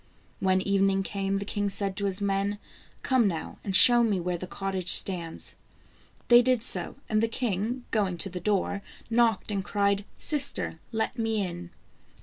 When evening came, the king said to his men :" Come now, and show me where the cottage stands." They did so, and the king going to the door, knocked and cried, " Sister, let me in."